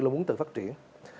luôn muốn tự phát triển